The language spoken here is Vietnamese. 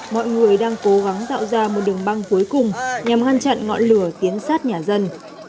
mọi người đang cố gắng tạo ra một đường băng cuối cùng nhằm ngăn chặn ngọn lửa tiến sát nhà dân